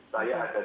saya ada di kota